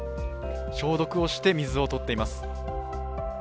消毒をして水を取っています。